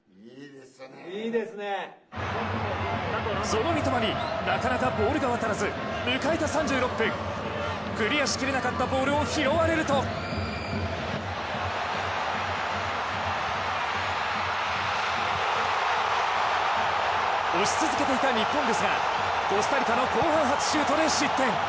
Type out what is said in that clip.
その三笘になかなかボールが渡らず迎えた３６分、クリアしきれなかったボールを拾われると押し続けていた日本ですがコスタリカの後半初シュートで失点。